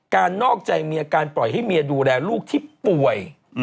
นอกใจเมียการปล่อยให้เมียดูแลลูกที่ป่วย